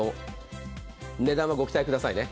値段はご期待くださいね。